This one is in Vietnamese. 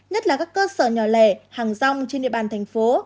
nhất là các cơ sở nhỏ lẻ hàng rong trên địa bàn thành phố